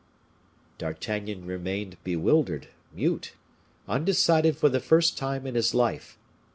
D'Artagnan remained bewildered, mute, undecided for the first time in his life.